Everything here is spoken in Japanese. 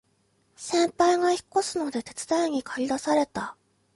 先輩が引っ越すので手伝いにかり出された